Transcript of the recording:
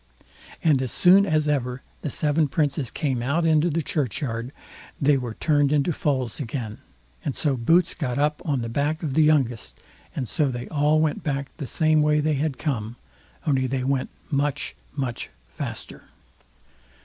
And soon as ever the seven Princes came out into the churchyard, they were turned into foals again, and so Boots got up on the back of the youngest, and so they all went back the same way that they had come; only they went much, much faster.